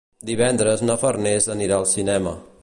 Divendres na Farners anirà al cinema.